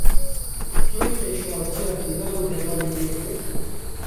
Kê pêşwaziya Dîlan û hevalên wê kir?